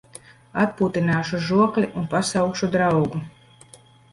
Atpūtināšu žokli un pasaukšu draugu.